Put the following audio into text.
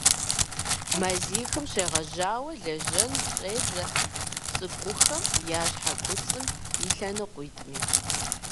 Мазихым щегъэжьауэ лэжьэн щӀедзэ цӏыкӏухэм я щхьэ куцӀым и лъэныкъуитӀми.